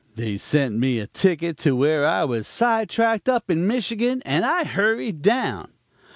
They sent me a ticket to where I was sidetracked up in Michigan, and I hurried down.